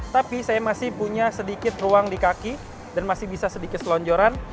tapi saya masih punya sedikit ruang di kaki dan masih bisa sedikit selonjoran